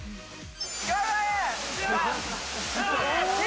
頑張れ！